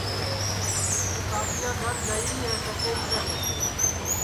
ہوں کاکیا گھر جائیری ہے کچیری کرنے